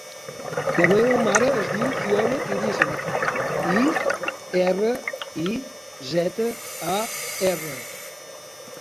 La meva mare es diu Fiona Irizar: i, erra, i, zeta, a, erra.